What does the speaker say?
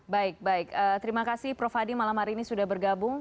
baik baik terima kasih prof hadi malam hari ini sudah bergabung